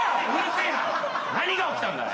何が起きたんだ